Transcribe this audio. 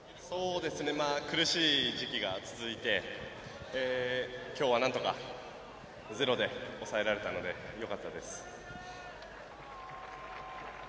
苦しい時期が続いて今日は、なんとかゼロで抑えられたのでよかったです。